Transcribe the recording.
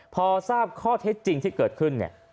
พอทราบข้อเท็จจริงที่เกิดขึ้นเนี่ย